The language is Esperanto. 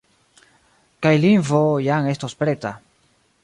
Kaj lingvo jam estos preta.